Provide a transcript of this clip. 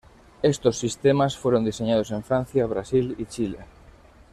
Estos sistemas fueron diseñados en Francia, Brasil y Chile.